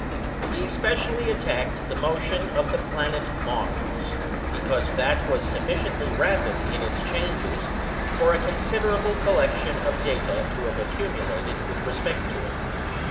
He specially attacked the motion of the planet Mars, because that was sufficiently rapid in its changes for a considerable collection of data to have accumulated with respect to it.